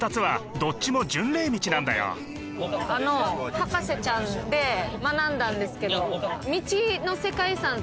『博士ちゃん』で学んだんですけど。